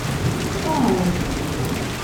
Steɛṛef.